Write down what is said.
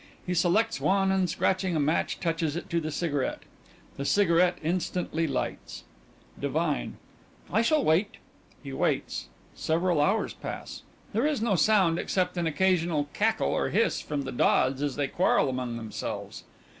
He selects one and scratching a match touches it to the cigarette. The cigarette instantly lights._) DIVINE: I shall wait. (_He waits. Several hours pass. There is no sound except an occasional cackle or hiss from the dods as they quarrel among themselves.